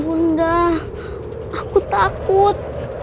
bunda aku takut